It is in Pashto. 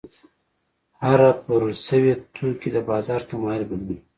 هره پلورل شوې توکي د بازار تمایل بدلوي.